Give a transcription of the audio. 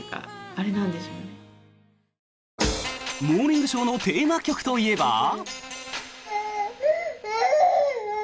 「モーニングショー」のテーマ曲といえば。